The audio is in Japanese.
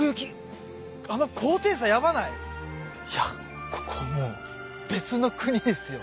いやここもう別の国ですよ。